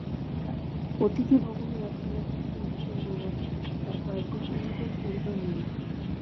অতিথিভবনের একতলায় থাকতেন দ্বিপেন্দ্রনাথ তাঁর কয়েকজন অনুচর-পরিচর নিয়ে।